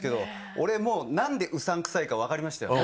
俺もう何でうさんくさいか分かりましたよ。